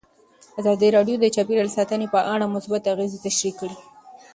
ازادي راډیو د چاپیریال ساتنه په اړه مثبت اغېزې تشریح کړي.